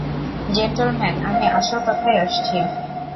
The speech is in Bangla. জেন্টলম্যান, আমি আসল কথায় আসছি।